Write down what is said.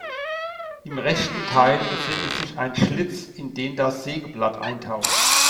Im rechten Teil befindet sich ein Schlitz, in den das Sägeblatt eintaucht.